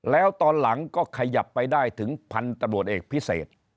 แล้วตอนหลังก็ขยับไปได้ถึงพันธุ์ตำรวจเอกพิเศษ